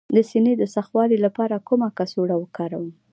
د سینې د سختوالي لپاره کومه کڅوړه وکاروم؟